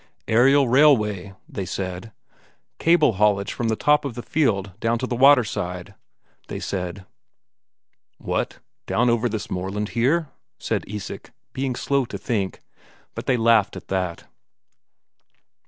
"Aerial railway," they said. "Cable haulage from the top of the fjeld down to the waterside," they said. "What, down over all this moorland here?" said Isak, being slow to think. But they laughed at that.